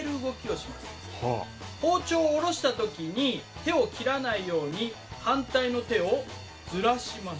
包丁を下ろした時に手を切らないように反対の手をずらします。